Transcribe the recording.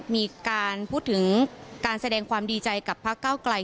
มีการพูดถึงการแสดงความดีใจกับพระเก้าไกล